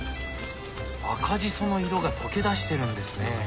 赤じその色が溶け出してるんですね。